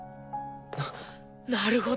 なっなるほど！